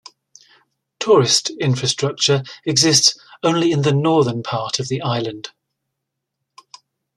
Tourist infrastructure exists only in the northern part of the island.